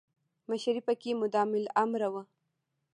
مشري پکې مادام العمر وه.